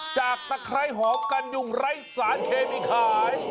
ตะไคร้หอมกันยุงไร้สารเคมีขาย